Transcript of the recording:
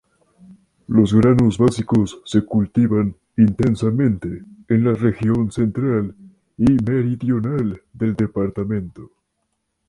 Los granos básicos se cultivan intensamente en la región central y meridional del departamento.